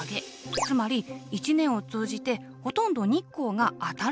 つまり一年を通じてほとんど日光が当たらないんです。